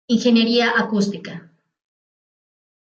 Ingeniería acústica.